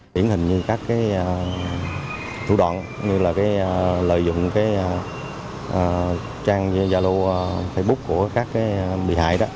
tiến hình như các cái thủ đoạn như là cái lợi dụng cái trang giao lưu facebook của các cái bị hại đó